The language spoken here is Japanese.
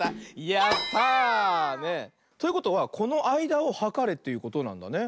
やった！ということはこのあいだをはかれということなんだね。